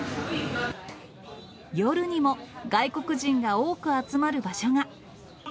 夜にも、外国人が多く集まる場所が。